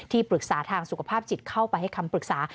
ปรึกษาทางสุขภาพจิตเข้าไปให้คำปรึกษา